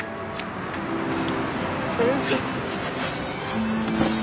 先生。